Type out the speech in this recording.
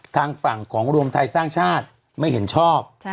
ทางฝั่งของรวมไทยสร้างชาติไม่เห็นชอบ